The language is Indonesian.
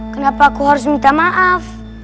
kenapa aku harus minta maaf